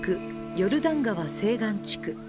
ヨルダン川西岸地区。